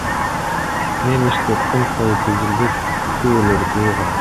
Мен ишти кунт коюп изилдеп, күбөлөрдү угам.